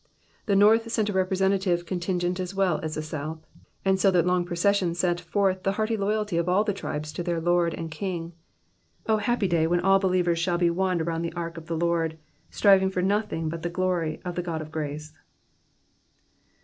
The north sent a representative contingent as well as the south, and so the long procession set forth the hearty loyalty of all the tribes to their Lord and King. O happy day, when all believers shall be one around the ark of the Lord ; striving for nothing but the glory of the God of grace.